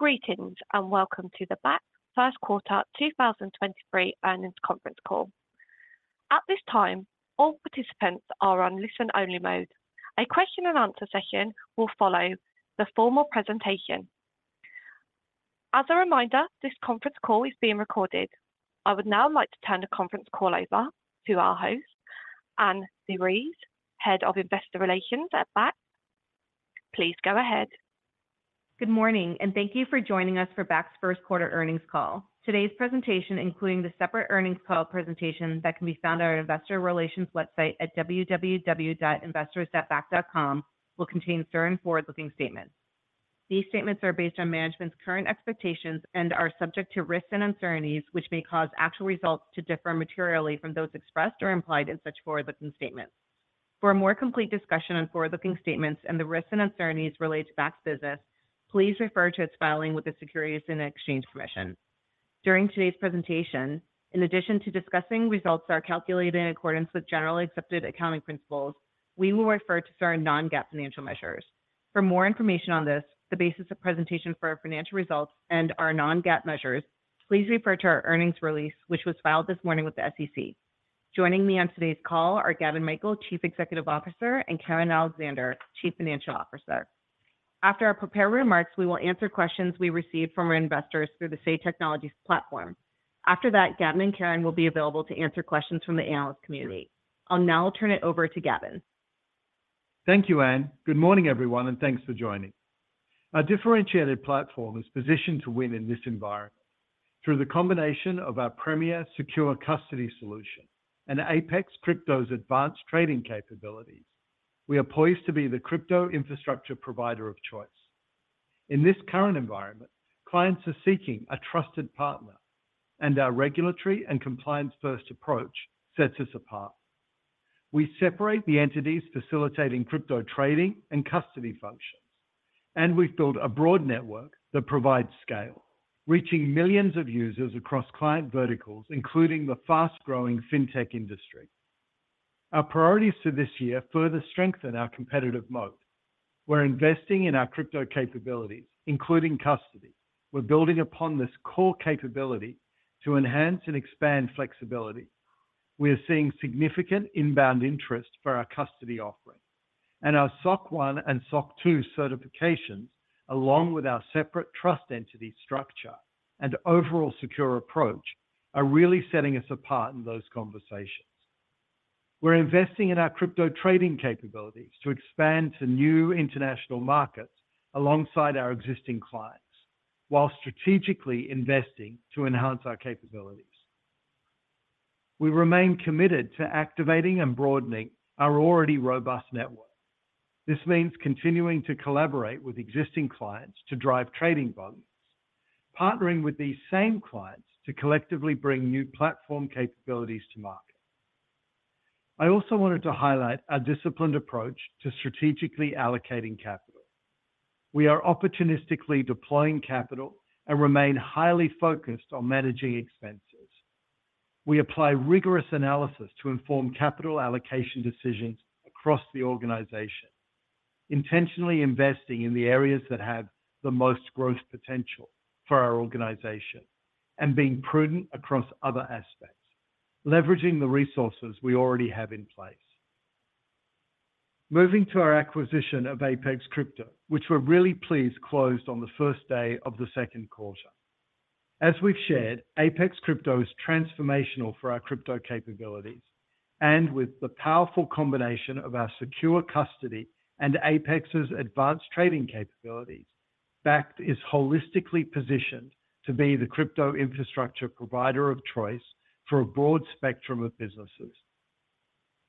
Greetings, welcome to the Bakkt First Quarter 2023 Earnings Conference Call. At this time, all participants are on listen-only mode. A question and answer session will follow the formal presentation. As a reminder, this conference call is being recorded. I would now like to turn the conference call over to our host, Ann DeVries, Head of Investor Relations at Bakkt. Please go ahead. Good morning, and thank you for joining us for Bakkt's First Quarter Earnings Call. Today's presentation, including the separate earnings call presentation that can be found on our investor relations website at www.investorsatbakkt.com will contain certain forward-looking statements. These statements are based on management's current expectations and are subject to risks and uncertainties, which may cause actual results to differ materially from those expressed or implied in such forward-looking statements. For a more complete discussion on forward-looking statements and the risks and uncertainties related to Bakkt's business, please refer to its filing with the Securities and Exchange Commission. During today's presentation, in addition to discussing results that are calculated in accordance with generally accepted accounting principles, we will refer to certain non-GAAP financial measures. For more information on this, the basis of presentation for our financial results and our non-GAAP measures, please refer to our earnings release, which was filed this morning with the SEC. Joining me on today's call are Gavin Michael, Chief Executive Officer, and Karen Alexander, Chief Financial Officer. After our prepared remarks, we will answer questions we received from our investors through the SAY Technologies platform. After that, Gavin and Karen will be available to answer questions from the analyst community. I'll now turn it over to Gavin. Thank you, Ann. Good morning, everyone, thanks for joining. Our differentiated platform is positioned to win in this environment. Through the combination of our premier secure custody solution and Apex Crypto's advanced trading capabilities, we are poised to be the crypto infrastructure provider of choice. In this current environment, clients are seeking a trusted partner. Our regulatory and compliance-first approach sets us apart. We separate the entities facilitating crypto trading and custody functions. We've built a broad network that provides scale, reaching millions of users across client verticals, including the fast-growing Fintech industry. Our priorities for this year further strengthen our competitive moat. We're investing in our crypto capabilities, including custody. We're building upon this core capability to enhance and expand flexibility. We are seeing significant inbound interest for our custody offering and our SOC 1 and SOC 2 certifications, along with our separate trust entity structure and overall secure approach, are really setting us apart in those conversations. We're investing in our crypto trading capabilities to expand to new international markets alongside our existing clients while strategically investing to enhance our capabilities. We remain committed to activating and broadening our already robust network. This means continuing to collaborate with existing clients to drive trading volumes, partnering with these same clients to collectively bring new platform capabilities to market. I also wanted to highlight our disciplined approach to strategically allocating capital. We are opportunistically deploying capital and remain highly focused on managing expenses. We apply rigorous analysis to inform capital allocation decisions across the organization, intentionally investing in the areas that have the most growth potential for our organization and being prudent across other aspects, leveraging the resources we already have in place. Moving to our acquisition of Apex Crypto, which we're really pleased closed on the first day of the second quarter. As we've shared, Apex Crypto is transformational for our crypto capabilities, with the powerful combination of our secure custody and Apex's advanced trading capabilities, Bakkt is holistically positioned to be the crypto infrastructure provider of choice for a broad spectrum of businesses.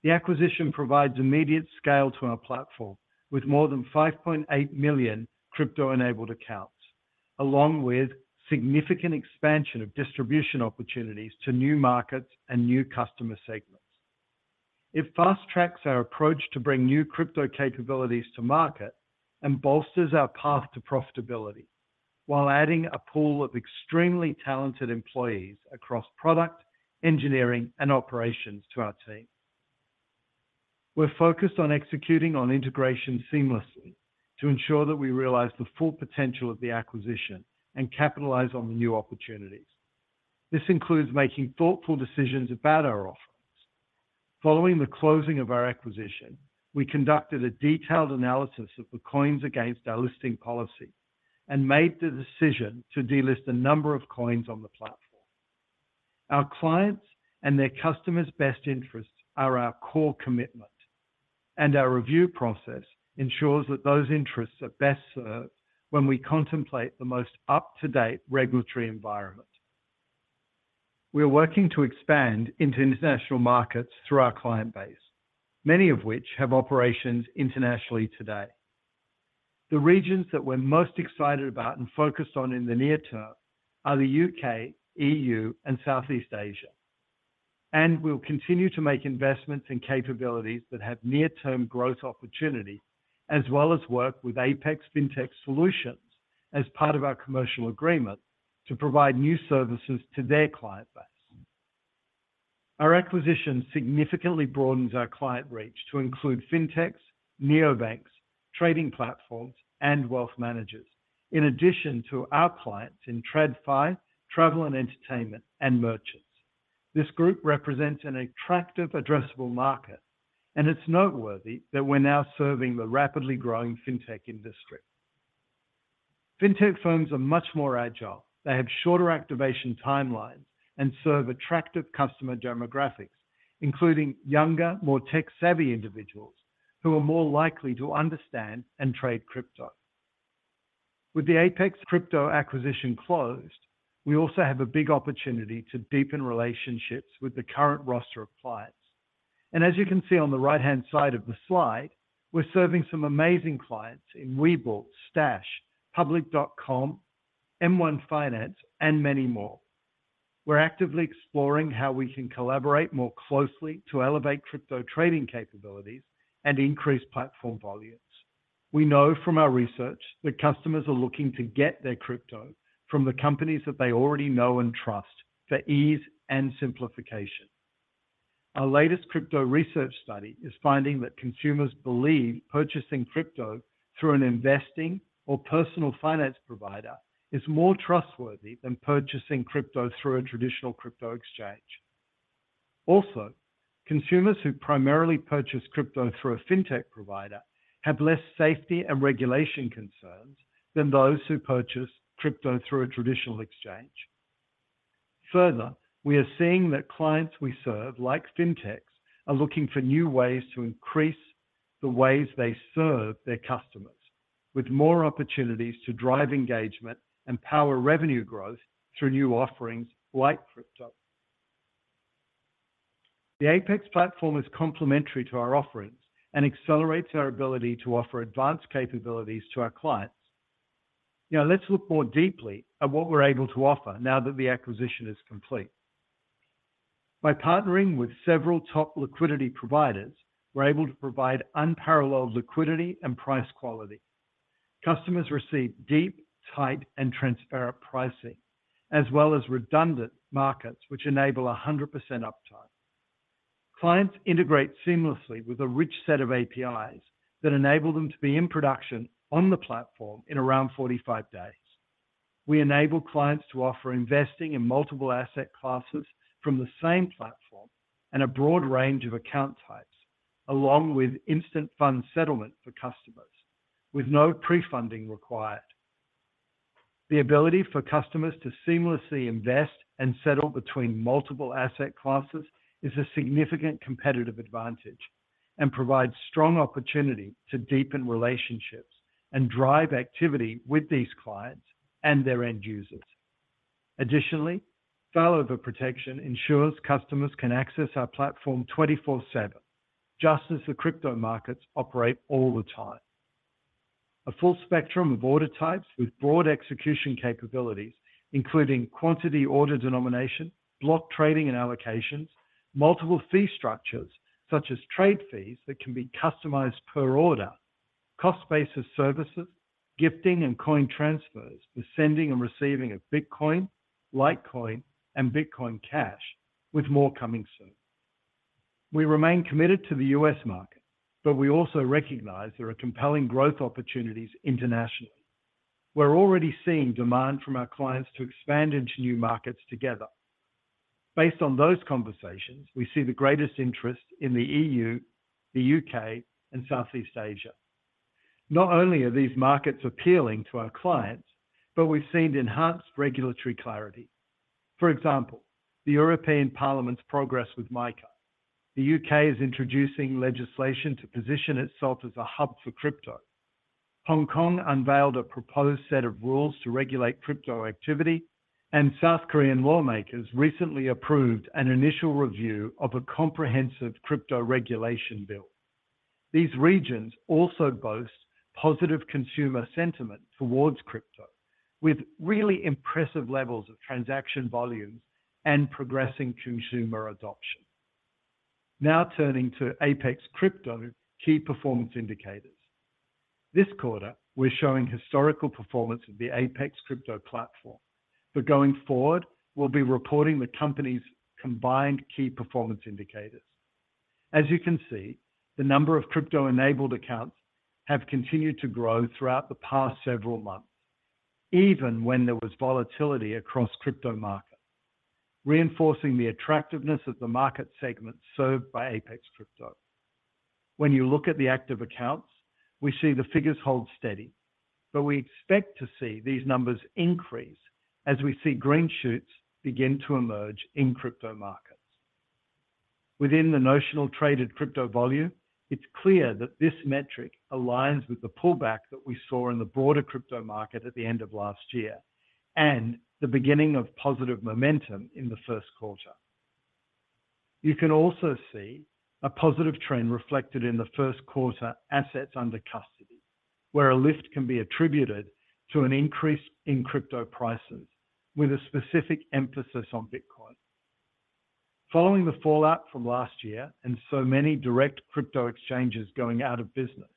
The acquisition provides immediate scale to our platform with more than 5.8 million crypto-enabled accounts, along with significant expansion of distribution opportunities to new markets and new customer segments. It fast-tracks our approach to bring new crypto capabilities to market and bolsters our path to profitability while adding a pool of extremely talented employees across product, engineering, and operations to our team. We're focused on executing on integration seamlessly to ensure that we realize the full potential of the acquisition and capitalize on the new opportunities. This includes making thoughtful decisions about our offerings. Following the closing of our acquisition, we conducted a detailed analysis of the coins against our listing policy and made the decision to delist a number of coins on the platform. Our clients and their customers best interests are our core commitment, and our review process ensures that those interests are best served when we contemplate the most up-to-date regulatory environment. We are working to expand into international markets through our client base, many of which have operations internationally today. The regions that we're most excited about and focused on in the near term are the U.K., EU, and Southeast Asia. We'll continue to make investments in capabilities that have near-term growth opportunity as well as work with Apex Fintech Solutions as part of our commercial agreement to provide new services to their client base. Our acquisition significantly broadens our client reach to include FinTechs, Neobanks, trading platforms, and wealth managers. In addition to our clients in TradFi, travel and entertainment, and merchants. This group represents an attractive addressable market, and it's noteworthy that we're now serving the rapidly growing FinTech industry. FinTech firms are much more agile. They have shorter activation timelines and serve attractive customer demographics, including younger, more tech-savvy individuals who are more likely to understand and trade crypto. With the Apex Crypto acquisition closed, we also have a big opportunity to deepen relationships with the current roster of clients. As you can see on the right-hand side of the slide, we're serving some amazing clients in Webull, Stash, Public.com, M1 Finance, and many more. We're actively exploring how we can collaborate more closely to elevate crypto trading capabilities and increase platform volumes. We know from our research that customers are looking to get their crypto from the companies that they already know and trust for ease and simplification. Our latest crypto research study is finding that consumers believe purchasing crypto through an investing or personal finance provider is more trustworthy than purchasing crypto through a traditional crypto exchange. Consumers who primarily purchase crypto through a FinTech provider have less safety and regulation concerns than those who purchase crypto through a traditional exchange. We are seeing that clients we serve, like FinTechs, are looking for new ways to increase the ways they serve their customers with more opportunities to drive engagement and power revenue growth through new offerings like crypto. The Apex platform is complementary to our offerings and accelerates our ability to offer advanced capabilities to our clients. Let's look more deeply at what we're able to offer now that the acquisition is complete. By partnering with several top liquidity providers, we're able to provide unparalleled liquidity and price quality. Customers receive deep, tight, and transparent pricing, as well as redundant markets which enable 100% uptime. Clients integrate seamlessly with a rich set of APIs that enable them to be in production on the platform in around 45 days. We enable clients to offer investing in multiple asset classes from the same platform and a broad range of account types, along with instant fund settlement for customers with no pre-funding required. The ability for customers to seamlessly invest and settle between multiple asset classes is a significant competitive advantage and provides strong opportunity to deepen relationships and drive activity with these clients and their end users. Additionally, failover protection ensures customers can access our platform 24/7, just as the crypto markets operate all the time. A full spectrum of order types with broad execution capabilities, including quantity order denomination, block trading and allocations, multiple fee structures such as trade fees that can be customized per order, cost basis services, gifting and coin transfers for sending and receiving of Bitcoin, Litecoin, and Bitcoin Cash, with more coming soon. We remain committed to the U.S. market, but we also recognize there are compelling growth opportunities internationally. We're already seeing demand from our clients to expand into new markets together. Based on those conversations, we see the greatest interest in the EU, the U.K., and Southeast Asia. Not only are these markets appealing to our clients, but we've seen enhanced regulatory clarity. For example, the European Parliament's progress with MiCA. The U.K. is introducing legislation to position itself as a hub for crypto. Hong Kong unveiled a proposed set of rules to regulate crypto activity, and South Korean lawmakers recently approved an initial review of a comprehensive crypto regulation bill. These regions also boast positive consumer sentiment towards crypto, with really impressive levels of transaction volumes and progressing consumer adoption. Turning to Apex Crypto key performance indicators. This quarter, we're showing historical performance of the Apex Crypto platform, but going forward, we'll be reporting the company's combined key performance indicators. As you can see, the number of crypto-enabled accounts have continued to grow throughout the past several months, even when there was volatility across crypto markets, reinforcing the attractiveness of the market segment served by Apex Crypto. When you look at the active accounts, we see the figures hold steady, but we expect to see these numbers increase as we see green shoots begin to emerge in crypto markets. Within the notional traded crypto volume, it's clear that this metric aligns with the pullback that we saw in the broader crypto market at the end of last year and the beginning of positive momentum in the first quarter. You can also see a positive trend reflected in the first quarter assets under custody, where a lift can be attributed to an increase in crypto prices with a specific emphasis on Bitcoin. Following the fallout from last year and so many direct crypto exchanges going out of business.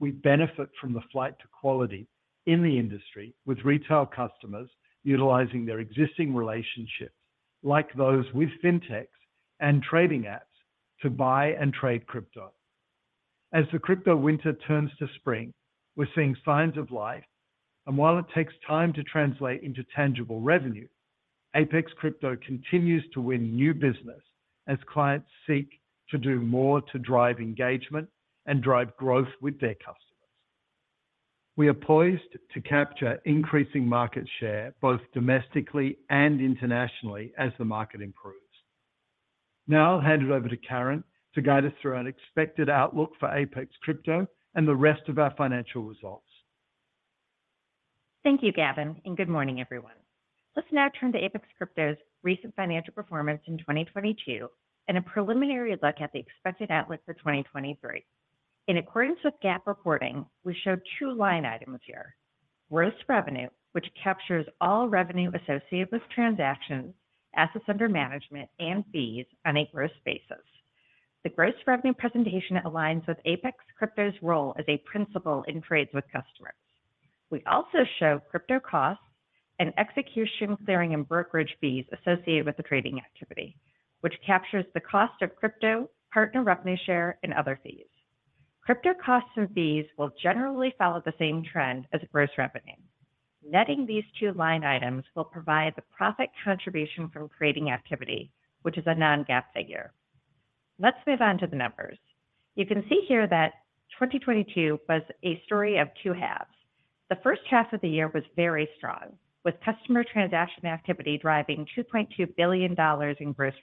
We benefit from the flight to quality in the industry with retail customers utilizing their existing relationships like those with FinTechs and trading apps to buy and trade crypto. As the crypto winter turns to spring, we're seeing signs of life. While it takes time to translate into tangible revenue, Apex Crypto continues to win new business as clients seek to do more to drive engagement and drive growth with their customers. We are poised to capture increasing market share both domestically and internationally as the market improves. Now I'll hand it over to Karen to guide us through an expected outlook for Apex Crypto and the rest of our financial results. Thank you, Gavin, and good morning, everyone. Let's now turn to Apex Crypto's recent financial performance in 2022 and a preliminary look at the expected outlook for 2023. In accordance with GAAP reporting, we show two line items here. Gross revenue, which captures all revenue associated with transactions, assets under management, and fees on a gross basis. The gross revenue presentation aligns with Apex Crypto's role as a principal in trades with customers. We also show crypto costs and execution clearing and brokerage fees associated with the trading activity, which captures the cost of crypto, partner revenue share, and other fees. Crypto costs and fees will generally follow the same trend as gross revenue. Netting these two line items will provide the profit contribution from trading activity, which is a non-GAAP figure. Let's move on to the numbers. You can see here that 2022 was a story of two halves. The first half of the year was very strong, with customer transaction activity driving $2.2 billion in gross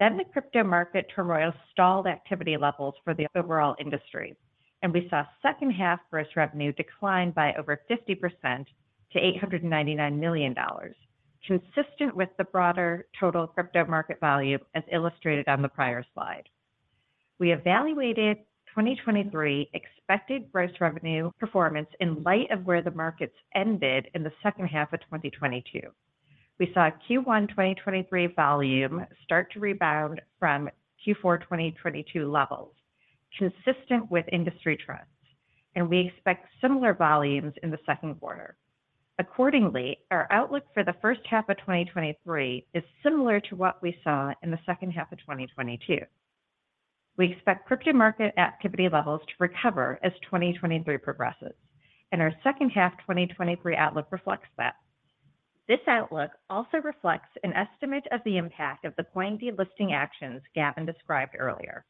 revenue. The crypto market turmoil stalled activity levels for the overall industry, and we saw second half gross revenue decline by over 50% to $899 million, consistent with the broader total crypto market value as illustrated on the prior slide. We evaluated 2023 expected gross revenue performance in light of where the markets ended in the second half of 2022. We saw Q1 2023 volume start to rebound from Q4 2023 levels, consistent with industry trends, and we expect similar volumes in the second quarter. Accordingly, our outlook for the first half of 2023 is similar to what we saw in the second half of 2022. We expect crypto market activity levels to recover as 2023 progresses, and our second half 2023 outlook reflects that. This outlook also reflects an estimate of the impact of the coin delisting actions Gavin described earlier.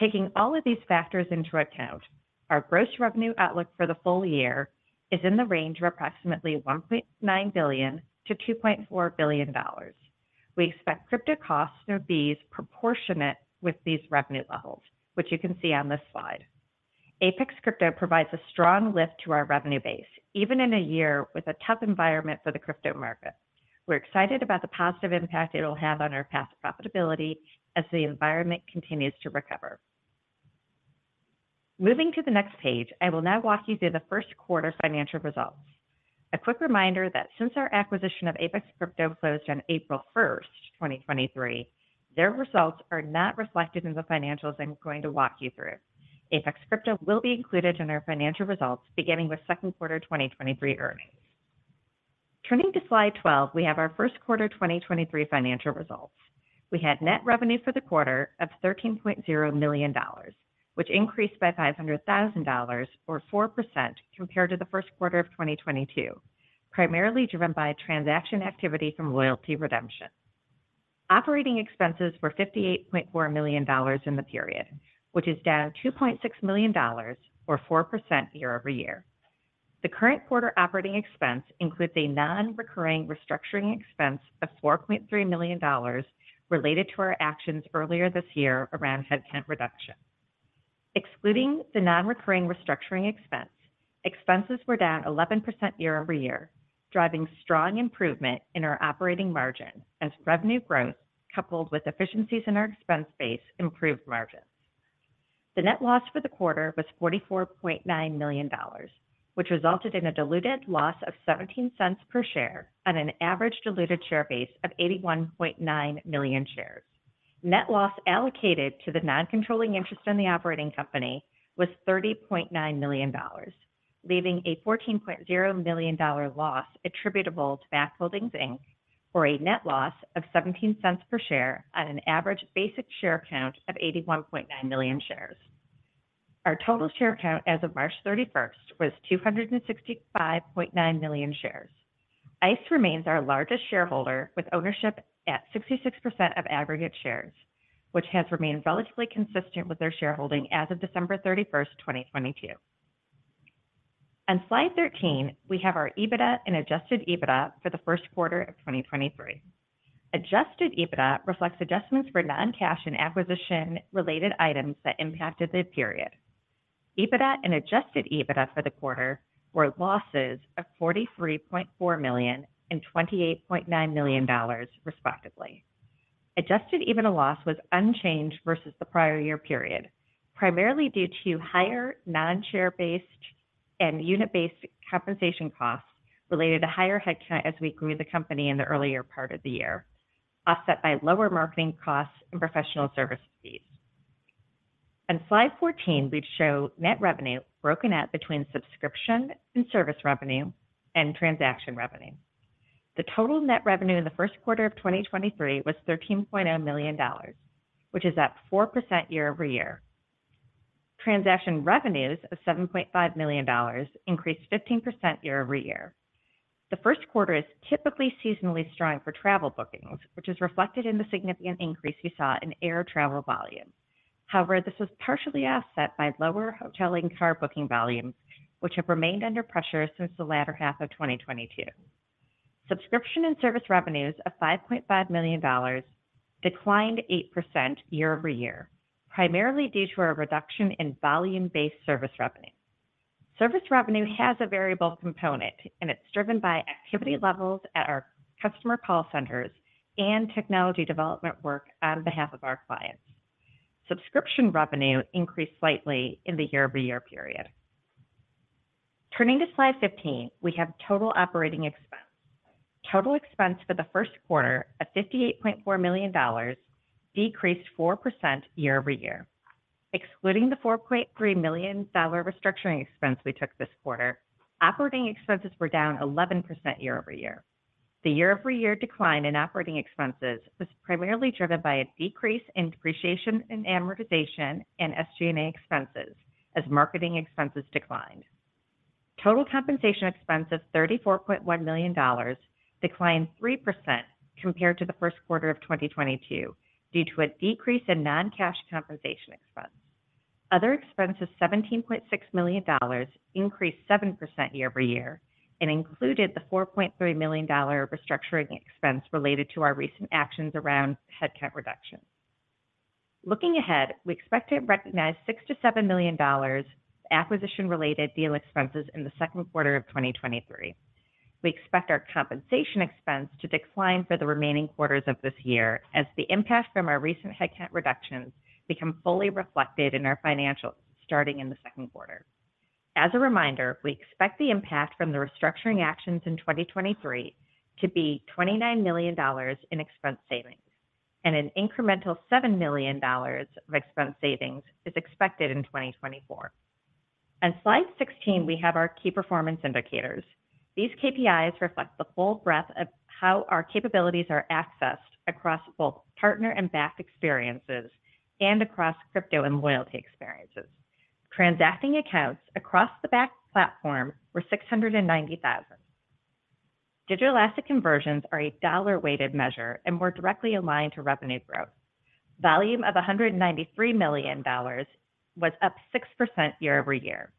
Taking all of these factors into account, our gross revenue outlook for the full year is in the range of approximately $1.9 billion-$2.4 billion. We expect crypto costs or fees proportionate with these revenue levels, which you can see on this slide. Apex Crypto provides a strong lift to our revenue base, even in a year with a tough environment for the crypto market. We're excited about the positive impact it will have on our path to profitability as the environment continues to recover. Moving to the next page, I will now walk you through the first quarter financial results. A quick reminder that since our acquisition of Apex Crypto closed on April 1, 2023, their results are not reflected in the financials I'm going to walk you through. Apex Crypto will be included in our financial results beginning with second quarter 2023 earnings. Turning to slide 12, we have our first quarter 2023 financial results. We had net revenue for the quarter of $13.0 million, which increased by $500,000 or 4% compared to the first quarter of 2022, primarily driven by transaction activity from loyalty redemption. Operating expenses were $58.4 million in the period, which is down $2.6 million or 4% year-over-year. The current quarter operating expense includes a non-recurring restructuring expense of $4.3 million related to our actions earlier this year around headcount reduction. Excluding the non-recurring restructuring expense, expenses were down 11% year-over-year, driving strong improvement in our operating margin as revenue growth coupled with efficiencies in our expense base improved margins. The net loss for the quarter was $44.9 million, which resulted in a diluted loss of $0.17 per share on an average diluted share base of 81.9 million shares. Net loss allocated to the non-controlling interest in the operating company was $30.9 million, leaving a $14.0 million loss attributable to Bakkt Holdings, Inc., for a net loss of $0.17 per share on an average basic share count of 81.9 million shares. Our total share count as of March 31st was 265.9 million shares. ICE remains our largest shareholder, with ownership at 66% of aggregate shares, which has remained relatively consistent with their shareholding as of December 31st, 2022. On slide 13, we have our EBITDA and adjusted EBITDA for the first quarter of 2023. Adjusted EBITDA reflects adjustments for non-cash and acquisition-related items that impacted the period. EBITDA and adjusted EBITDA for the quarter were losses of $43.4 million and $28.9 million, respectively. Adjusted EBITDA loss was unchanged versus the prior year period, primarily due to higher non-share-based and unit-based compensation costs related to higher headcount as we grew the company in the earlier part of the year, offset by lower marketing costs and professional service fees. On slide 14, we show net revenue broken out between subscription and service revenue and transaction revenue. The total net revenue in the first quarter of 2023 was $13.0 million, which is up 4% year-over-year. Transaction revenues of $7.5 million increased 15% year-over-year. The first quarter is typically seasonally strong for travel bookings, which is reflected in the significant increase we saw in air travel volume. This was partially offset by lower hotel and car booking volumes, which have remained under pressure since the latter half of 2022. Subscription and service revenues of $5.5 million declined 8% year-over-year, primarily due to our reduction in volume-based service revenue. Service revenue has a variable component, and it's driven by activity levels at our customer call centers and technology development work on behalf of our clients. Subscription revenue increased slightly in the year-over-year period. Turning to slide 15, we have total operating expense. Total expense for the first quarter of $58.4 million decreased 4% year-over-year. Excluding the $4.3 million restructuring expense we took this quarter, operating expenses were down 11% year-over-year. The year-over-year decline in operating expenses was primarily driven by a decrease in depreciation and amortization and SG&A expenses as marketing expenses declined. Total compensation expense of $34.1 million declined 3% compared to the first quarter of 2022 due to a decrease in non-cash compensation expense. Other expenses, $17.6 million, increased 7% year-over-year and included the $4.3 million restructuring expense related to our recent actions around headcount reduction. Looking ahead, we expect to recognize $6 million-$7 million acquisition-related deal expenses in the second quarter of 2023. We expect our compensation expense to decline for the remaining quarters of this year as the impact from our recent headcount reductions become fully reflected in our financials starting in the second quarter. As a reminder, we expect the impact from the restructuring actions in 2023 to be $29 million in expense savings, and an incremental $7 million of expense savings is expected in 2024. On slide 16, we have our key performance indicators. These KPIs reflect the full breadth of how our capabilities are accessed across both partner and BAAS experiences and across crypto and loyalty experiences. Transacting accounts across the BAAS platform were 690,000. Digital asset conversions are a dollar-weighted measure and were directly aligned to revenue growth. Volume of $193 million was up 6% year-over-year.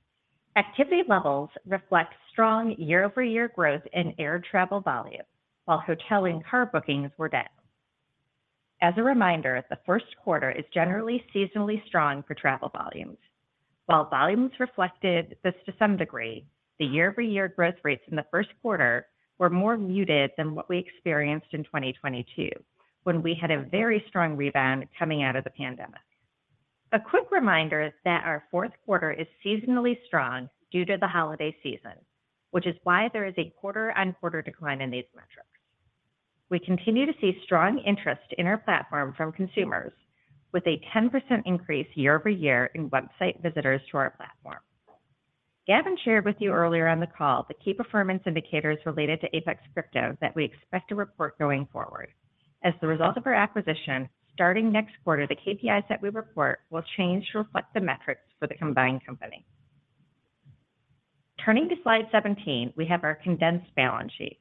Activity levels reflect strong year-over-year growth in air travel volume, while hotel and car bookings were down. As a reminder, the first quarter is generally seasonally strong for travel volumes. Volumes reflected this to some degree, the year-over-year growth rates in the first quarter were more muted than what we experienced in 2022, when we had a very strong rebound coming out of the pandemic. A quick reminder that our fourth quarter is seasonally strong due to the holiday season, which is why there is a quarter-on-quarter decline in these metrics. We continue to see strong interest in our platform from consumers, with a 10% increase year-over-year in website visitors to our platform. Gavin shared with you earlier on the call the key performance indicators related to Apex Crypto that we expect to report going forward. As the result of our acquisition, starting next quarter, the KPIs that we report will change to reflect the metrics for the combined company. Turning to slide 17, we have our condensed balance sheet.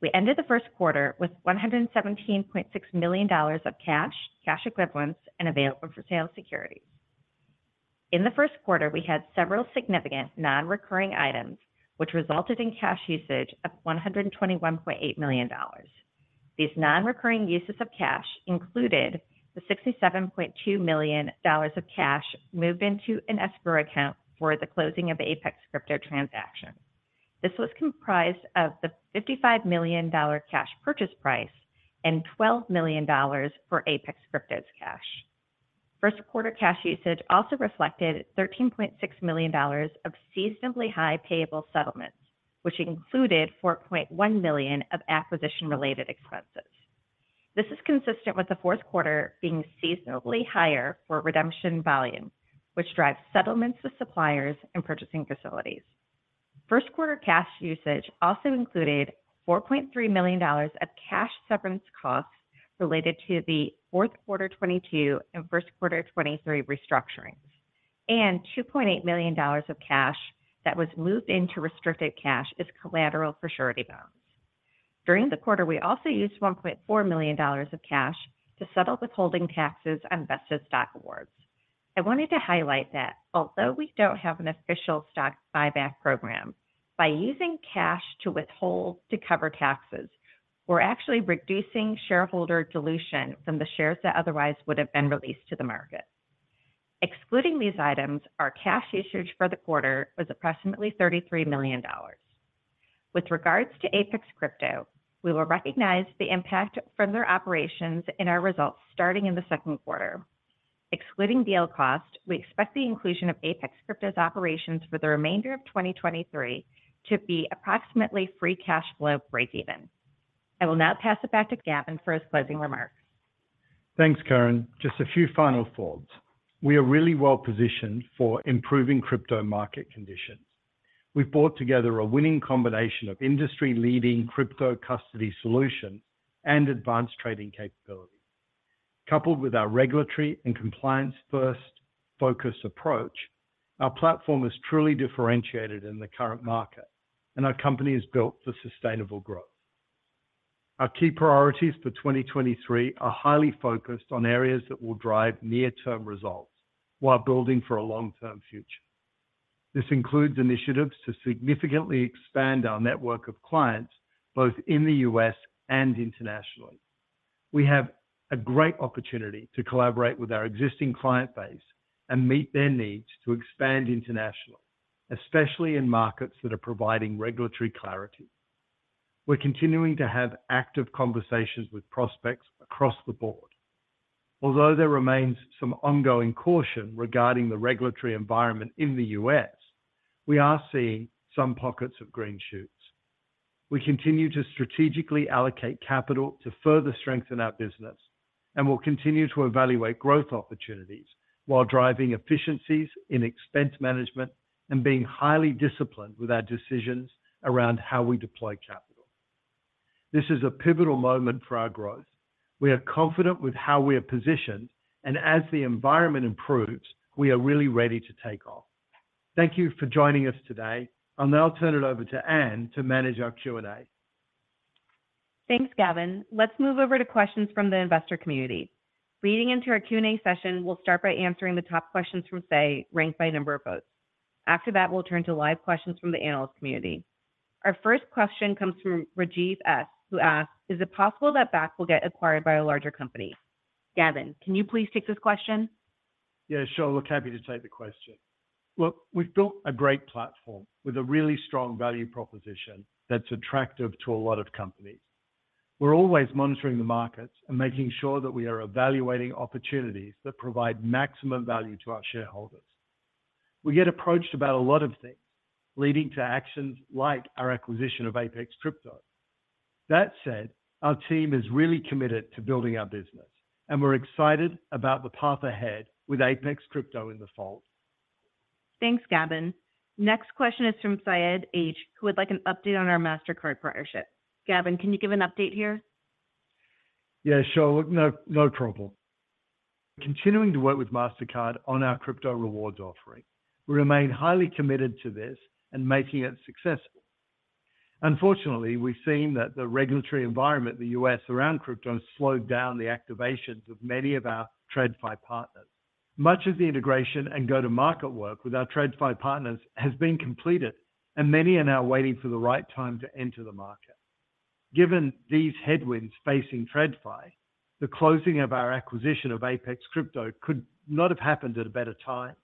We ended the first quarter with $117.6 million of cash equivalents, and available-for-sale securities. In the first quarter, we had several significant non-recurring items, which resulted in cash usage of $121.8 million. These non-recurring uses of cash included the $67.2 million of cash moved into an escrow account for the closing of the Apex Crypto transaction. This was comprised of the $55 million cash purchase price and $12 million for Apex Crypto's cash. First quarter cash usage also reflected $13.6 million of seasonally high payable settlements, which included $4.1 million of acquisition-related expenses. This is consistent with the fourth quarter being seasonally higher for redemption volume, which drives settlements with suppliers and purchasing facilities. First quarter cash usage also included $4.3 million of cash severance costs related to the fourth quarter 2022 and first quarter 2023 restructurings, and $2.8 million of cash that was moved into restricted cash as collateral for surety bonds. During the quarter, we also used $1.4 million of cash to settle the holding taxes on vested stock awards. I wanted to highlight that although we don't have an official stock buyback program, by using cash to withhold to cover taxes, we're actually reducing shareholder dilution from the shares that otherwise would have been released to the market. Excluding these items, our cash usage for the quarter was approximately $33 million. With regards to Apex Crypto, we will recognize the impact from their operations in our results starting in the second quarter. Excluding deal cost, we expect the inclusion of Apex Crypto's operations for the remainder of 2023 to be approximately free cash flow breakeven. I will now pass it back to Gavin for his closing remarks. Thanks, Karen. Just a few final thoughts. We are really well positioned for improving crypto market conditions. We've brought together a winning combination of industry-leading crypto custody solutions and advanced trading capabilities. Coupled with our regulatory and compliance-first focus approach, our platform is truly differentiated in the current market, and our company is built for sustainable growth. Our key priorities for 2023 are highly focused on areas that will drive near-term results while building for a long-term future. This includes initiatives to significantly expand our network of clients, both in the U.S. and internationally. We have a great opportunity to collaborate with our existing client base and meet their needs to expand internationally, especially in markets that are providing regulatory clarity. We're continuing to have active conversations with prospects across the board. Although there remains some ongoing caution regarding the regulatory environment in the U.S., we are seeing some pockets of green shoots. We continue to strategically allocate capital to further strengthen our business and will continue to evaluate growth opportunities while driving efficiencies in expense management and being highly disciplined with our decisions around how we deploy capital. This is a pivotal moment for our growth. We are confident with how we are positioned, and as the environment improves, we are really ready to take off. Thank you for joining us today. I'll now turn it over to Ann to manage our Q&A. Thanks, Gavin. Let's move over to questions from the investor community. Leading into our Q&A session, we'll start by answering the top questions from Say, ranked by number of votes. After that, we'll turn to live questions from the analyst community. Our first question comes from Rajiv S, who asks, "Is it possible that Bakkt will get acquired by a larger company?" Gavin, can you please take this question? Yeah, sure. Look, happy to take the question. Look, we've built a great platform with a really strong value proposition that's attractive to a lot of companies. We're always monitoring the markets and making sure that we are evaluating opportunities that provide maximum value to our shareholders. We get approached about a lot of things, leading to actions like our acquisition of Apex Crypto. That said, our team is really committed to building our business, and we're excited about the path ahead with Apex Crypto in the fold. Thanks, Gavin. Next question is from Syed H, who would like an update on our Mastercard partnership. Gavin, can you give an update here? Yeah, sure. Look, no trouble. Continuing to work with Mastercard on our crypto rewards offering, we remain highly committed to this and making it successful. Unfortunately, we've seen that the regulatory environment in the U.S. around crypto has slowed down the activations of many of our TradFi partners. Much of the integration and go-to-market work with our TradFi partners has been completed, and many are now waiting for the right time to enter the market. Given these headwinds facing TradFi, the closing of our acquisition of Apex Crypto could not have happened at a better time.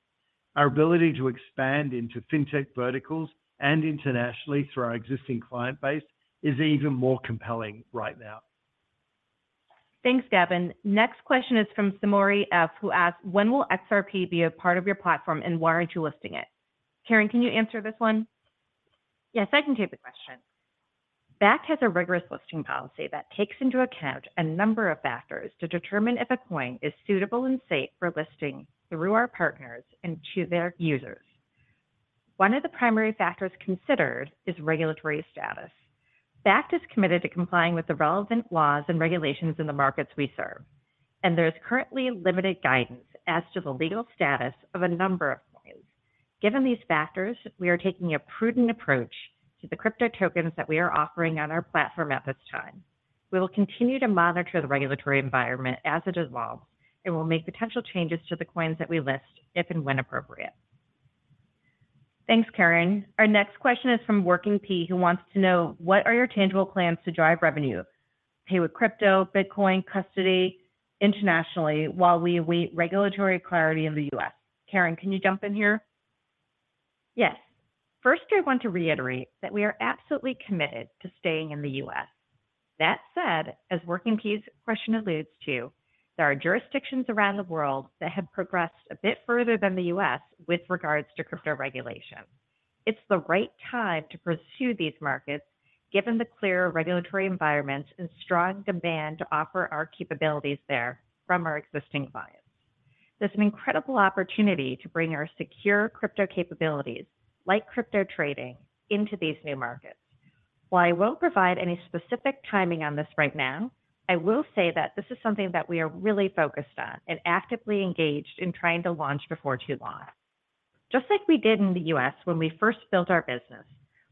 Our ability to expand into FinTech verticals and internationally through our existing client base is even more compelling right now. Thanks, Gavin. Next question is from Samori F, who asks, "When will XRP be a part of your platform, and why aren't you listing it?" Karen, can you answer this one? Yes, I can take the question. Bakkt has a rigorous listing policy that takes into account a number of factors to determine if a coin is suitable and safe for listing through our partners and to their users. One of the primary factors considered is regulatory status. Bakkt is committed to complying with the relevant laws and regulations in the markets we serve. There's currently limited guidance as to the legal status of a number of coins. Given these factors, we are taking a prudent approach to the crypto tokens that we are offering on our platform at this time. We will continue to monitor the regulatory environment as it evolves. We'll make potential changes to the coins that we list if and when appropriate. Thanks, Karen. Our next question is from Joaquim P, who wants to know, what are your tangible plans to drive revenue? Pay with crypto, Bitcoin, custody internationally while we await regulatory clarity in the U.S. Karen, can you jump in here? Yes. First, I want to reiterate that we are absolutely committed to staying in the U.S. That said, as Joaquim P's question alludes to, there are jurisdictions around the world that have progressed a bit further than the U.S. with regards to crypto regulation. It's the right time to pursue these markets given the clear regulatory environments and strong demand to offer our capabilities there from our existing clients. There's an incredible opportunity to bring our secure crypto capabilities, like crypto trading, into these new markets. While I won't provide any specific timing on this right now, I will say that this is something that we are really focused on and actively engaged in trying to launch before too long. Just like we did in the U.S. when we first built our business,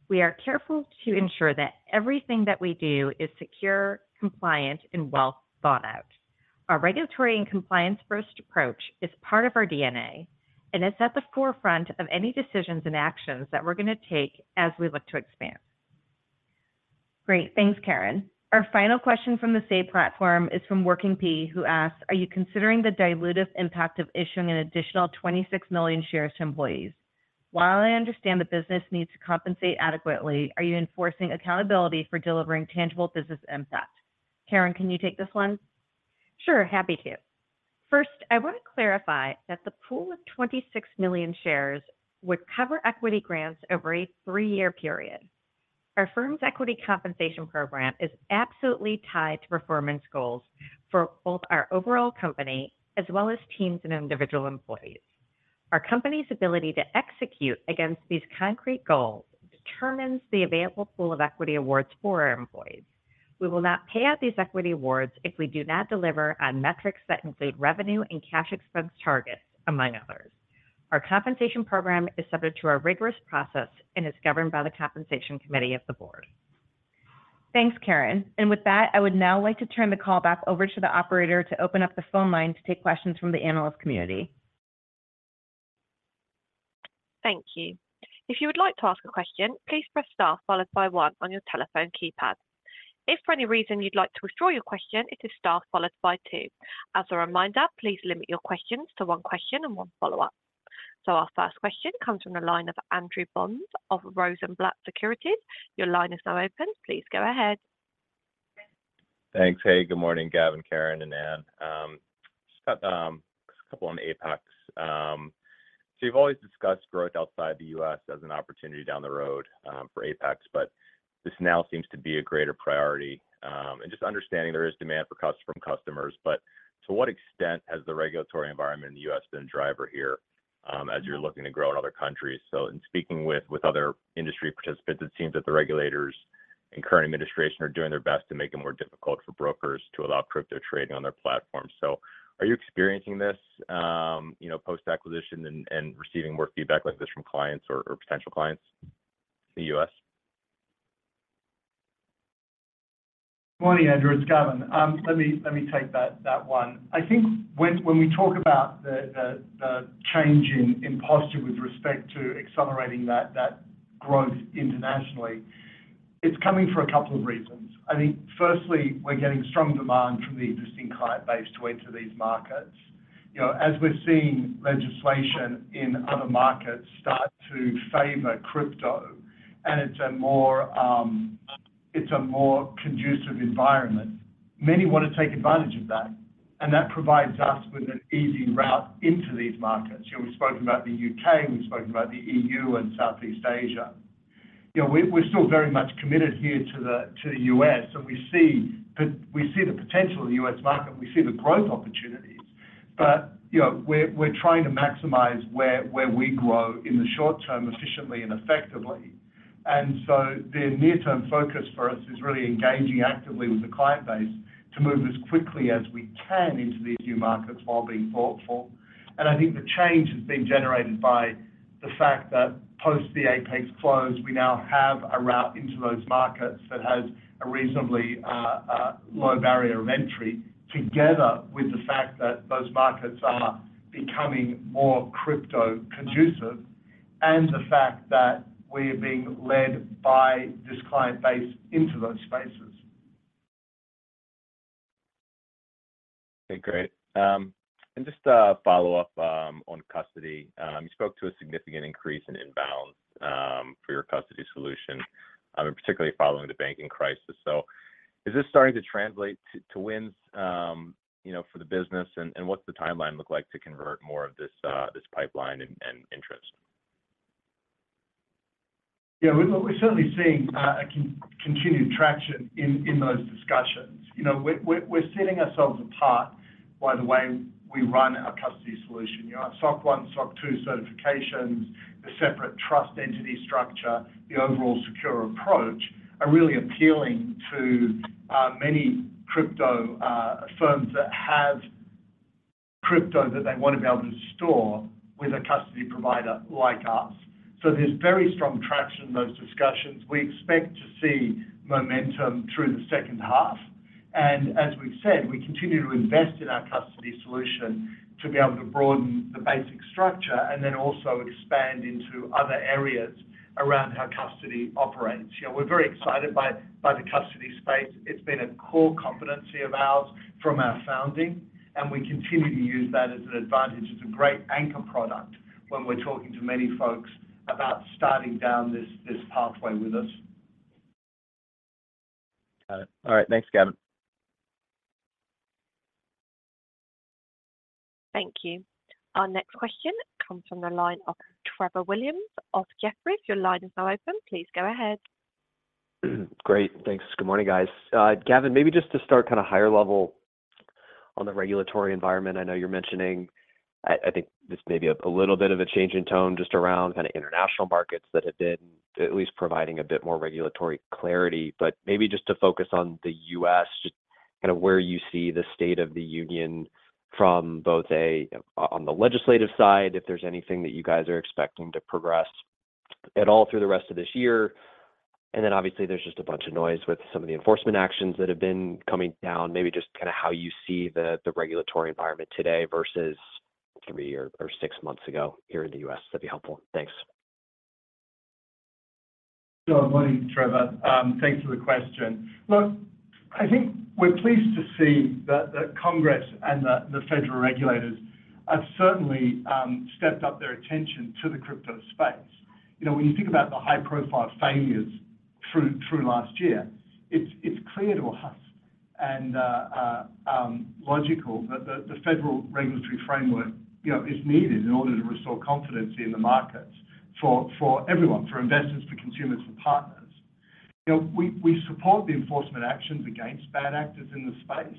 we are careful to ensure that everything that we do is secure, compliant, and well thought out. Our regulatory and compliance-first approach is part of our DNA and is at the forefront of any decisions and actions that we're gonna take as we look to expand. Great. Thanks, Karen. Our final question from the Say platform is from Joaquim P who asks, "Are you considering the dilutive impact of issuing an additional 26 million shares to employees? While I understand the business needs to compensate adequately, are you enforcing accountability for delivering tangible business impact?" Karen, can you take this one? Sure, happy to. First, I wanna clarify that the pool of 26 million shares would cover equity grants over a three-year period. Our firm's equity compensation program is absolutely tied to performance goals for both our overall company as well as teams and individual employees. Our company's ability to execute against these concrete goals determines the available pool of equity awards for our employees. We will not pay out these equity awards if we do not deliver on metrics that include revenue and cash expense targets, among others. Our compensation program is subject to our rigorous process and is governed by the compensation committee of the board. Thanks, Karen. With that, I would now like to turn the call back over to the operator to open up the phone line to take questions from the analyst community. Thank you. If you would like to ask a question, please press star followed by one on your telephone keypad. If for any reason you'd like to withdraw your question, it is star followed by two. As a reminder, please limit your questions to one question and one follow-up. Our first question comes from the line of Andrew Bond of Rosenblatt Securities. Your line is now open. Please go ahead. Thanks. Hey, good morning, Gavin, Karen, and Ann. Just got a couple on Apex. You've always discussed growth outside the U.S. as an opportunity down the road, for Apex, but this now seems to be a greater priority. Just understanding there is demand from customers, but to what extent has the regulatory environment in the U.S. been a driver here, as you're looking to grow in other countries? In speaking with other industry participants, it seems that the regulators and current administration are doing their best to make it more difficult for brokers to allow crypto trading on their platform. Are you experiencing this, you know, post-acquisition and receiving more feedback like this from clients or potential clients in the U.S.? Morning, Andrew. It's Gavin. Let me take that one. When we talk about the change in posture with respect to accelerating that growth internationally, it's coming for a couple of reasons. Firstly, we're getting strong demand from the existing client base to enter these markets. You know, as we're seeing legislation in other markets start to favor crypto, it's a more conducive environment, many wanna take advantage of that, and that provides us with an easy route into these markets. You know, we've spoken about the U.K., we've spoken about the EU and Southeast Asia. You know, we're still very much committed here to the U.S., we see the potential of the U.S. market, and we see the growth opportunities. You know, we're trying to maximize where we grow in the short term efficiently and effectively. The near-term focus for us is really engaging actively with the client base to move as quickly as we can into these new markets while being thoughtful. I think the change has been generated by the fact that post the Apex close, we now have a route into those markets that has a reasonably low barrier of entry, together with the fact that those markets are becoming more crypto conducive and the fact that we're being led by this client base into those spaces. Okay, great. Just a follow-up on custody. You spoke to a significant increase in inbound for your custody solution, particularly following the banking crisis. Is this starting to translate to wins, you know, for the business? What's the timeline look like to convert more of this pipeline and interest? Yeah, we're certainly seeing a continued traction in those discussions. You know, we're setting ourselves apart by the way we run our custody solution. You know, our SOC 1, SOC 2 certifications, the separate trust entity structure, the overall secure approach are really appealing to many crypto firms that have crypto that they wanna be able to store with a custody provider like us. There's very strong traction in those discussions. We expect to see momentum through the second half. As we've said, we continue to invest in our custody solution to be able to broaden the basic structure and then also expand into other areas around how custody operates. You know, we're very excited by the custody space. It's been a core competency of ours from our founding, and we continue to use that as an advantage. It's a great anchor product when we're talking to many folks about starting down this pathway with us. Got it. All right. Thanks, Gavin. Thank you. Our next question comes from the line of Trevor Williams of Jefferies. Your line is now open. Please go ahead. Great. Thanks. Good morning, guys. Gavin, maybe just to start kind of higher level on the regulatory environment. I know you're mentioning, I think this may be a little bit of a change in tone just around kind of international markets that have been at least providing a bit more regulatory clarity. Maybe just to focus on the U.S., just kind of where you see the state of the union from both on the legislative side, if there's anything that you guys are expecting to progress at all through the rest of this year. Obviously, there's just a bunch of noise with some of the enforcement actions that have been coming down, maybe just kind of how you see the regulatory environment today versus three or six months ago here in the U.S. That'd be helpful. Thanks. Sure. Morning, Trevor. Thanks for the question. Look, I think we're pleased to see that Congress and the federal regulators have certainly stepped up their attention to the crypto space. You know, when you think about the high-profile failures through last year, it's clear to us and logical that the federal regulatory framework, you know, is needed in order to restore confidence in the markets for everyone, for investors, for consumers, for partners. You know, we support the enforcement actions against bad actors in the space.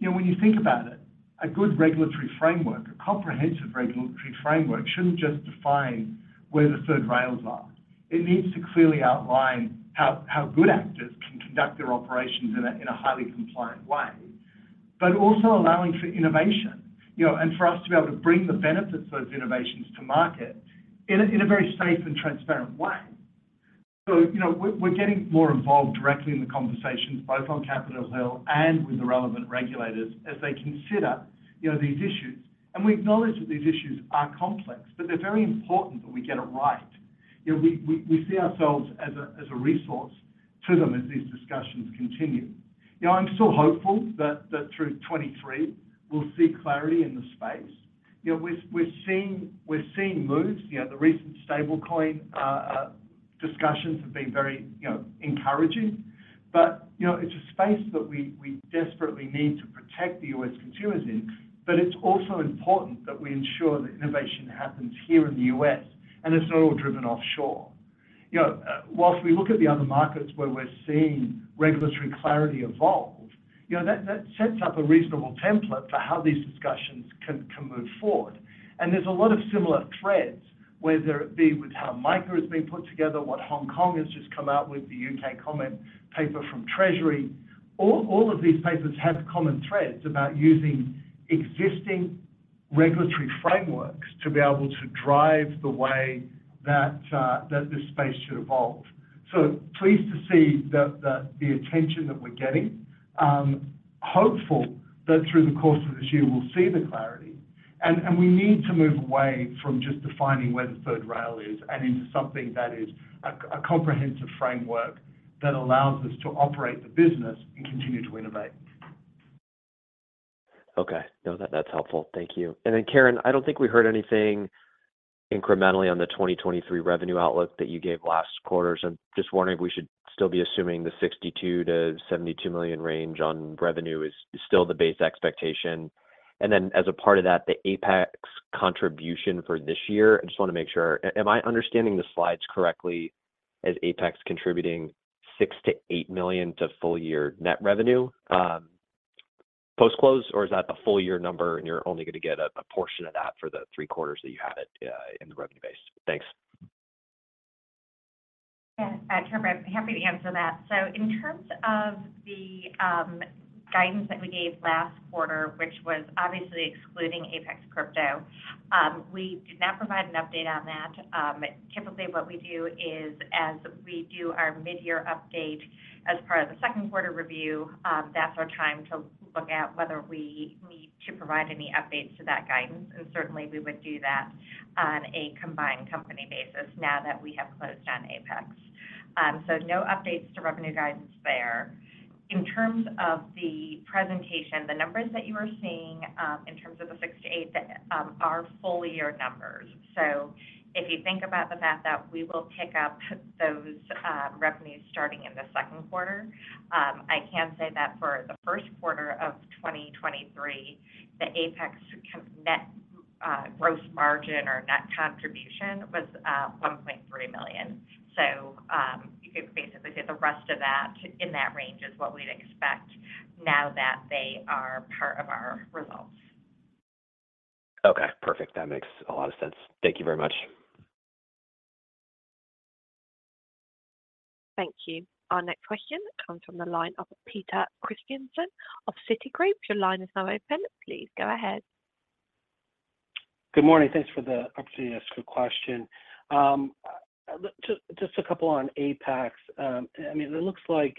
You know, when you think about it, a good regulatory framework, a comprehensive regulatory framework shouldn't just define where the third rails are. It needs to clearly outline how good actors can conduct their operations in a highly compliant way, but also allowing for innovation, you know, and for us to be able to bring the benefits of those innovations to market in a very safe and transparent way. You know, we're getting more involved directly in the conversations, both on Capitol Hill and with the relevant regulators as they consider, you know, these issues. We acknowledge that these issues are complex, but they're very important that we get it right. You know, we see ourselves as a resource to them as these discussions continue. You know, I'm still hopeful that through 2023 we'll see clarity in the space. You know, we're seeing moves. You know, the recent stablecoin discussions have been very, you know, encouraging. You know, it's a space that we desperately need to protect the U.S. consumers in, but it's also important that we ensure that innovation happens here in the U.S., and it's not all driven offshore. You know, whilst we look at the other markets where we're seeing regulatory clarity evolve, you know, that sets up a reasonable template for how these discussions can move forward. There's a lot of similar threads, whether it be with how MiCA is being put together, what Hong Kong has just come out with, the U.K. comment paper from HM Treasury. All of these papers have common threads about using existing regulatory frameworks to be able to drive the way that this space should evolve. Pleased to see the attention that we're getting. Hopeful that through the course of this year we'll see the clarity and we need to move away from just defining where the third rail is and into something that is a comprehensive framework that allows us to operate the business and continue to innovate. Okay. No, that's helpful. Thank you. Karen, I don't think we heard anything incrementally on the 2023 revenue outlook that you gave last quarter. Just wondering if we should still be assuming the $62 million-$72 million range on revenue is still the base expectation. As a part of that, the Apex contribution for this year, I just want to make sure. Am I understanding the slides correctly as Apex contributing $6 million-$8 million to full year net revenue post-close? Is that the full year number and you're only going to get a portion of that for the three quarters that you have it in the revenue base? Thanks. Trevor, I'm happy to answer that. In terms of the guidance that we gave last quarter, which was obviously excluding Apex Crypto, we did not provide an update on that. Typically what we do is, as we do our mid-year update as part of the second quarter review, that's our time to look at whether we need to provide any updates to that guidance. Certainly we would do that on a combined company basis now that we have closed on Apex. No updates to revenue guidance there. In terms of the presentation, the numbers that you are seeing, in terms of the $6 million-$8 million, are full year numbers. If you think about the fact that we will pick up those revenues starting in the second quarter, I can say that for the first quarter of 2023, the Apex net gross margin or net contribution was $1.3 million. You could basically say the rest of that in that range is what we'd expect now that they are part of our results. Perfect. That makes a lot of sense. Thank you very much. Thank you. Our next question comes from the line of Peter Christiansen of Citigroup. Your line is now open. Please go ahead. Good morning. Thanks for the opportunity to ask a question. Just a couple on Apex. I mean, it looks like,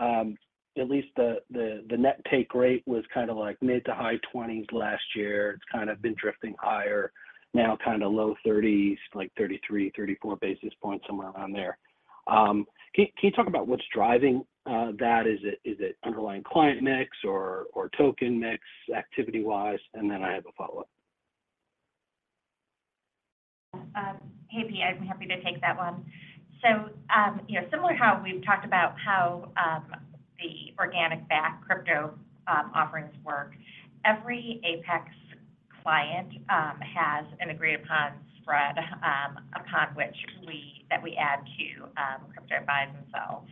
at least the net take rate was kind of like mid-to-high 20s basis points last year. It's kind of been drifting higher. Now kind of low 30s, like 33, 34 basis points, somewhere around there. Can you talk about what's driving that? Is it underlying client mix or token mix activity-wise? I have a follow-up. Hey, Pete, I'm happy to take that one. You know, similar how we've talked about how the organic Bakkt crypto offerings work, every Apex Crypto client has an agreed-upon spread upon which we add to crypto buys themselves.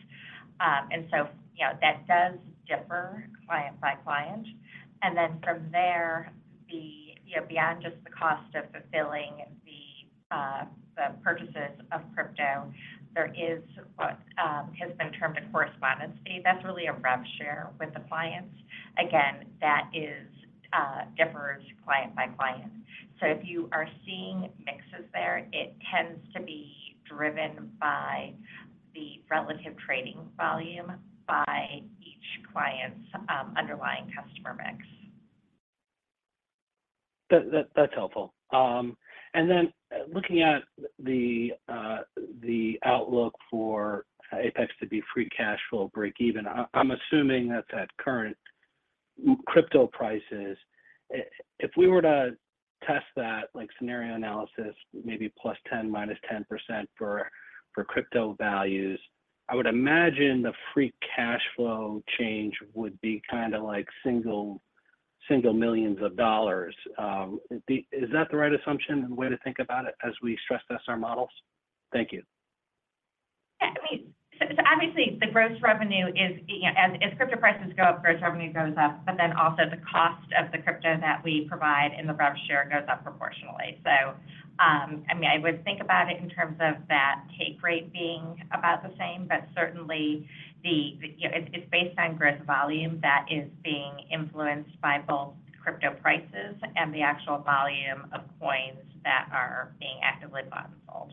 You know, that does differ client by client. From there, the, you know, beyond just the cost of fulfilling the purchases of crypto, there is what has been termed a correspondent fee. That's really a rev share with the clients. Again, that is differs client by client. So if you are seeing mixes there, it tends to be driven by the relative trading volume by each client's underlying customer mix. That's helpful. Then looking at the outlook for Apex to be free cash flow breakeven, I'm assuming that's at current crypto prices. If we were to test that, like scenario analysis, maybe +10%, -10% for crypto values, I would imagine the free cash flow change would be kinda like single millions of dollars. Is that the right assumption and way to think about it as we stress test our models? Thank you. I mean, so obviously the gross revenue is, you know, as crypto prices go up, gross revenue goes up, but then also the cost of the crypto that we provide in the rev share goes up proportionally. I mean, I would think about it in terms of that take rate being about the same, but certainly the, you know, it's based on gross volume that is being influenced by both crypto prices and the actual volume of coins that are being actively bought and sold.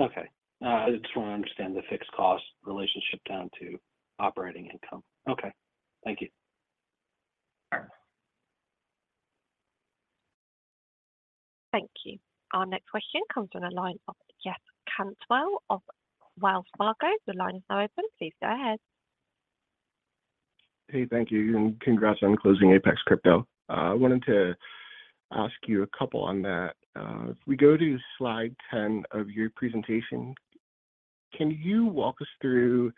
Okay. Just wanna understand the fixed cost relationship down to operating income. Okay. Thank you. Sure. Thank you. Our next question comes from the line of Jeff Cantwell of Wells Fargo. Your line is now open. Please go ahead. Thank you, and congrats on closing Apex Crypto. I wanted to ask you a couple on that. If we go to slide 10 of your presentation, can you walk us through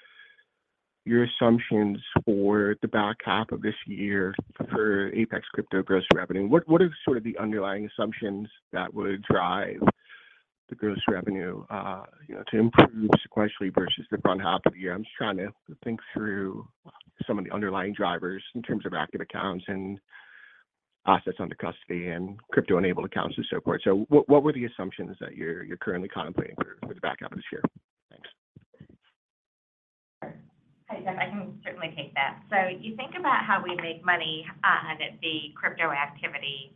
your assumptions for the back half of this year for Apex Crypto gross revenue? What, what are sort of the underlying assumptions that would drive the gross revenue, you know, to improve sequentially versus the front half of the year? I'm just trying to think through some of the underlying drivers in terms of active accounts and assets under custody and crypto-enabled accounts and so forth. What, what were the assumptions that you're currently contemplating for the back half of this year? Thanks. Hi, Jeff. I can certainly take that. You think about how we make money on the crypto activity,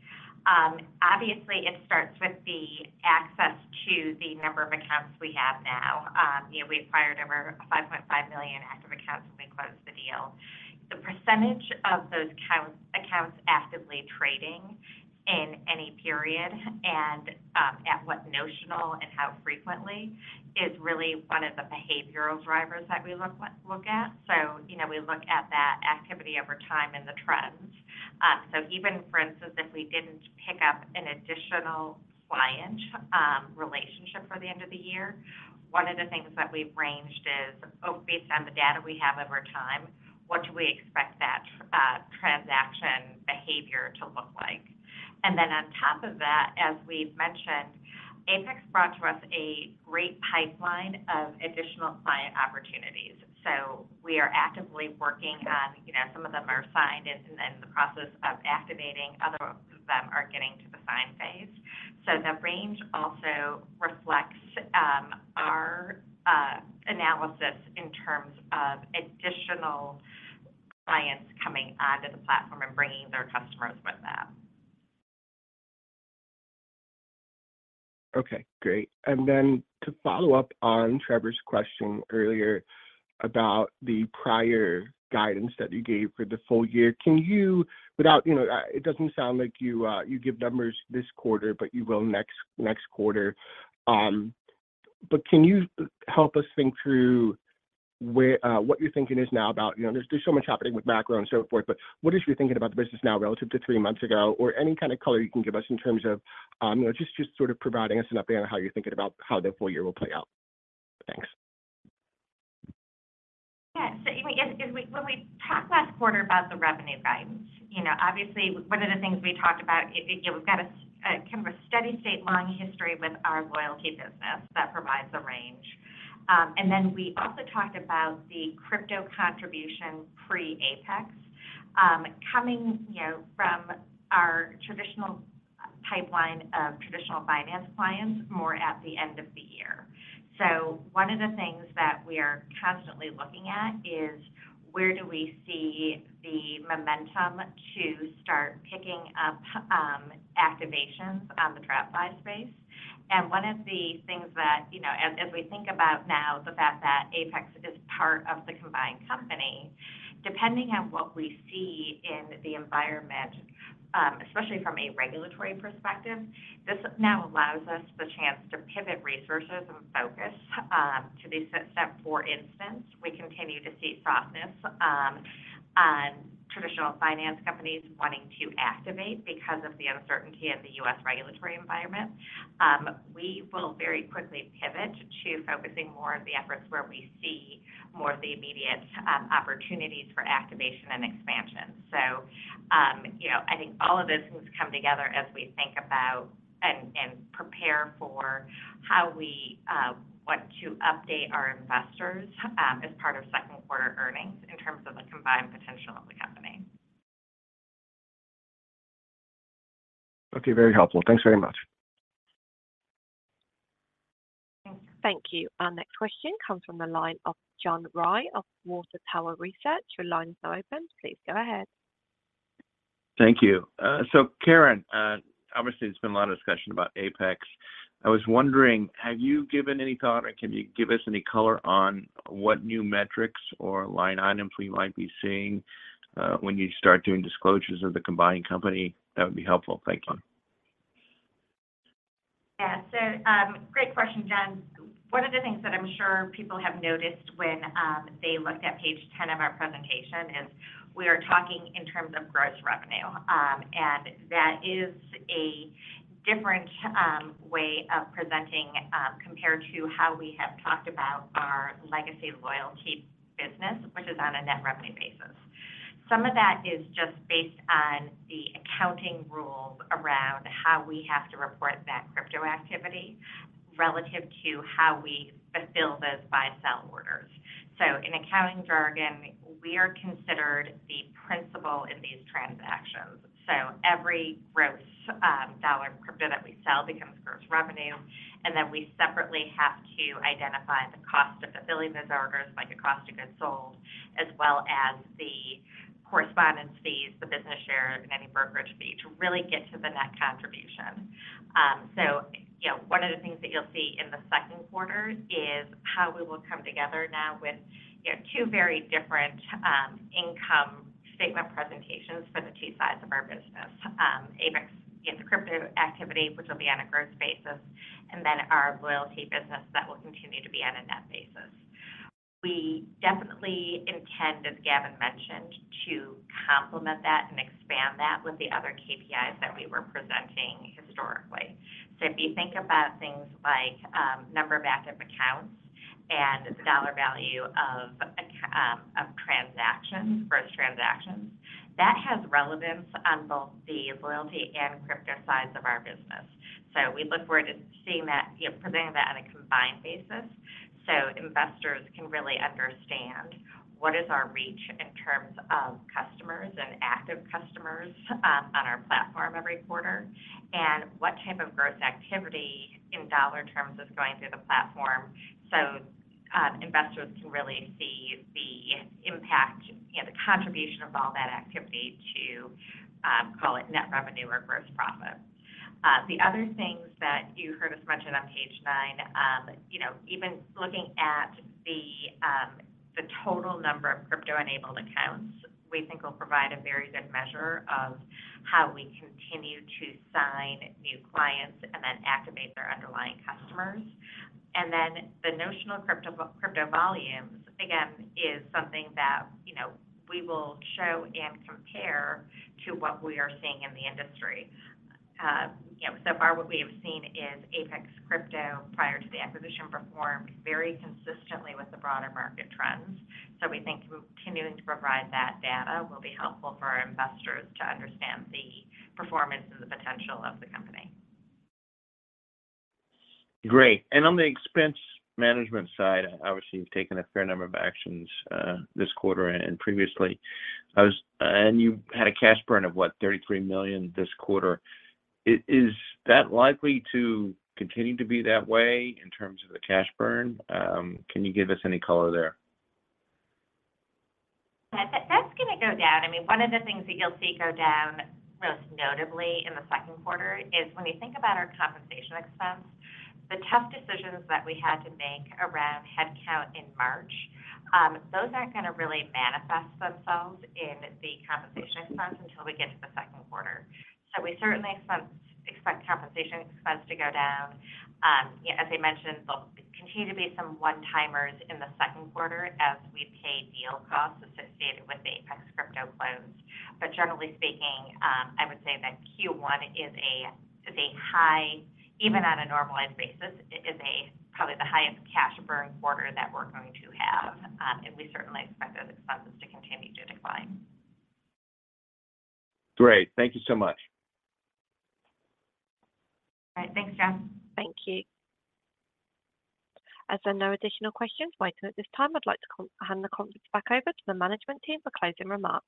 obviously it starts with the access to the number of accounts we have now. You know, we acquired over $5.5 million active accounts when we closed the deal. The percentage of those accounts actively trading in any period and, at what notional and how frequently is really one of the behavioral drivers that we look at. You know, we look at that activity over time and the trends. Even for instance, if we didn't pick up an additional client relationship for the end of the year, one of the things that we've ranged is, based on the data we have over time, what do we expect that transaction behavior to look like? On top of that, as we've mentioned, Apex brought to us a great pipeline of additional client opportunities. We are actively working on, you know, some of them are signed and in the process of activating, other of them are getting to the sign phase. The range also reflects our analysis in terms of additional clients coming onto the platform and bringing their customers with them. Okay, great. To follow up on Trevor's question earlier about the prior guidance that you gave for the full year, can you, without, you know, it doesn't sound like you give numbers this quarter, but you will next quarter. Can you help us think through what your thinking is now about, you know, there's so much happening with macro and so forth, but what is your thinking about the business now relative to three months ago, or any kind of color you can give us in terms of, you know, just sort of providing us an update on how you're thinking about how the full year will play out? Thanks. Yeah. I mean, when we talked last quarter about the revenue guidance, you know, obviously one of the things we talked about, you know, we've got a kind of a steady state long history with our loyalty business that provides a range. Then we also talked about the crypto contribution pre-Apex, coming, you know, from our traditional pipeline of traditional finance clients more at the end of the year. One of the things that we are constantly looking at is where do we see the momentum to start picking up activations on the TradFi space. One of the things that, you know, as we think about now, the fact that Apex is part of the combined company, depending on what we see in the environment, especially from a regulatory perspective, this now allows us the chance to pivot resources and focus to the extent for instance, we continue to see softness on traditional finance companies wanting to activate because of the uncertainty of the U.S. regulatory environment. We will very quickly pivot to focusing more of the efforts where we see more of the immediate opportunities for activation and expansion. You know, I think all of those things come together as we think about and prepare for how we want to update our investors as part of second quarter earnings in terms of the combined potential of the company. Okay. Very helpful. Thanks very much. Thank you. Our next question comes from the line of John Roy of Water Tower Research. Your line is now open. Please go ahead. Thank you. Karen, obviously there's been a lot of discussion about Apex. I was wondering, have you given any thought, or can you give us any color on what new metrics or line items we might be seeing, when you start doing disclosures of the combined company? That would be helpful. Thanks a lot. Yeah. Great question, John. One of the things that I'm sure people have noticed when they looked at page 10 of our presentation is we are talking in terms of gross revenue. That is a different way of presenting compared to how we have talked about our legacy loyalty business, which is on a net revenue basis. Some of that is just based on the accounting rules around how we have to report that crypto activity relative to how we fulfill those buy/sell orders. In accounting jargon, we are considered the principal in these transactions. Every gross dollar of crypto that we sell becomes gross revenue. We separately have to identify the cost of fulfilling those orders, like a cost of goods sold, as well as the correspondence fees, the business share of any brokerage fee, to really get to the net contribution. You know, one of the things that you'll see in the second quarter is how we will come together now with, you know, two very different income statement presentations for the two sides of our business. Apex, the crypto activity, which will be on a gross basis, and then our loyalty business that will continue to be on a net basis. We definitely intend, as Gavin mentioned, to complement that and expand that with the other KPIs that we were presenting historically. If you think about things like, number of active accounts and dollar value of transactions, gross transactions, that has relevance on both the loyalty and crypto sides of our business. We look forward to seeing that, you know, presenting that on a combined basis, so investors can really understand what is our reach in terms of customers and active customers, on our platform every quarter and what type of gross activity in dollar terms is going through the platform. Investors can really see the impact and the contribution of all that activity to, call it net revenue or gross profit. The other things that you heard us mention on page nine, you know, even looking at the total number of crypto-enabled accounts, we think will provide a very good measure of how we continue to sign new clients and then activate their underlying customers. The notional crypto volumes, again, is something that, you know, we will show and compare to what we are seeing in the industry. You know, so far what we have seen is Apex Crypto, prior to the acquisition, performed very consistently with the broader market trends. We think continuing to provide that data will be helpful for our investors to understand the performance and the potential of the company. On the expense management side, obviously, you've taken a fair number of actions this quarter and previously. You had a cash burn of what? $33 million this quarter. Is that likely to continue to be that way in terms of the cash burn? Can you give us any color there? That's gonna go down. I mean, one of the things that you'll see go down most notably in the second quarter is when we think about our compensation expense, the tough decisions that we had to make around headcount in March, those aren't gonna really manifest themselves in the compensation expense until we get to the second quarter. We certainly expect compensation expense to go down. You know, as I mentioned, there'll continue to be some one-timers in the second quarter as we pay deal costs associated with the Apex Crypto close. Generally speaking, I would say that Q1 is a high, even on a normalized basis, probably the highest cash burn quarter that we're going to have. We certainly expect those expenses to continue to decline. Great. Thank you so much. All right. Thanks, John. Thank you. As there are no additional questions waiting at this time, I'd like to hand the conference back over to the management team for closing remarks.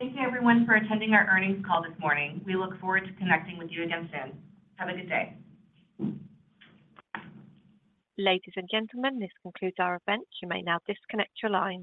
Thank you, everyone, for attending our earnings call this morning. We look forward to connecting with you again soon. Have a good day. Ladies and gentlemen, this concludes our event. You may now disconnect your line.